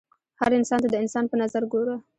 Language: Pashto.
هر انسان ته د انسان په نظر ګوره